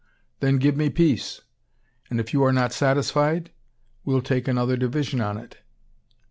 Then give me peace! And, if you are not satisfied, we'll take another division on it."